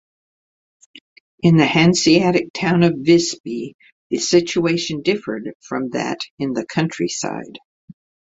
In the Hanseatic town of Visby the situation differed from that in the countryside.